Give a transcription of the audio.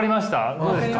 どうですか？